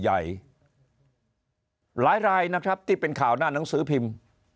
หลายรายนะครับที่เป็นข่าวหน้าหนังสือพิมพ์